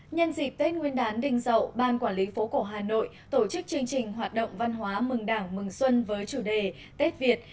nhân dịp tết nguyên đán đình dậu ban quản lý phố cổ hà nội tổ chức chương trình hoạt động văn hóa mừng đảng mừng xuân với chủ đề tết việt